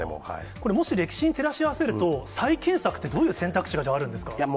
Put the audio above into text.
これ、もし歴史に照らし合わせると、再建策ってどういう選択肢があるいや